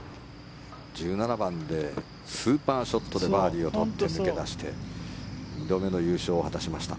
１７番でスーパーショットでバーディーを取って抜け出して２度目の優勝を果たしました。